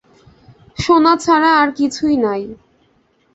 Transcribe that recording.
সোনা ছাড়া আর কিছুই নাই।